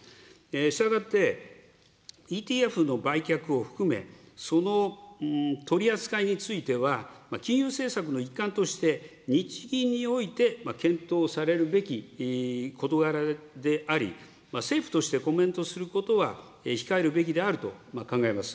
したがって、ＥＴＦの売却を含め、その取り扱いについては、金融政策の一環として日銀において検討されるべき事柄であり、政府としてコメントすることは控えるべきであると考えます。